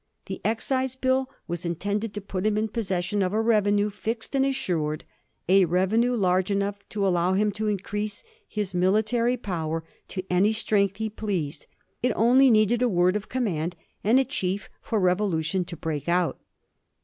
The Excise Bill was intended to put him in possession of a revenue fixed and assured, a revenue large enough to allow him to increase his military power to any strength he pleased. It only needed a word of command and a chief for revolution to break out.